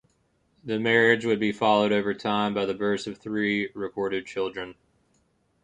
The marriage would be followed over time by the births of three recorded children.